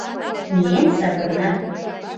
Миен савырна.